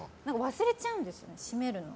忘れちゃうんですよ、閉めるの。